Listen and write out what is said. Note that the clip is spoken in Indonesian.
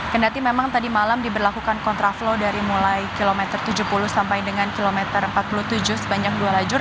kendati memang tadi malam diberlakukan kontraflow dari mulai kilometer tujuh puluh sampai dengan kilometer empat puluh tujuh sebanyak dua lajur